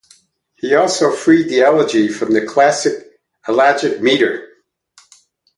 He also freed the elegy from the classical elegiac meter.